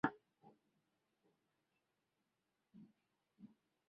karne ya kumi na tisa Urusi ulipanua utawala wake juu ya maneo makubwa ya